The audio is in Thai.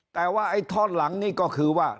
แต่ว่าไอ้ทอดหลังนี่ก็คือว่า